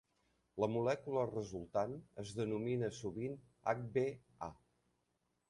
La molècula resultant es denomina sovint Hb A.